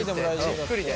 じっくりで。